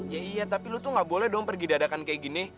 ya iya tapi lu tuh gak boleh dong pergi dadakan kayak gini